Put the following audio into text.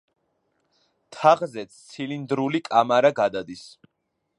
თაღზე ცილინდრული კამარა გადადის.